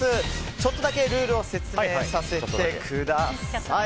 ちょっとだけルールを説明させてください。